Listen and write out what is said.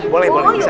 boleh boleh bisa